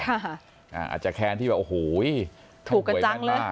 อาจจะแค้นที่ว่าโอ้โหถูกกันจังเลย